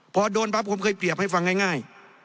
พอโดนปั๊บผมเคยเปรียบให้ฟังง่าย